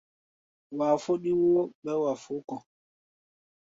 Wa fɔ́ɗí woo, ɓɛɛ́ wa fó kɔ̧.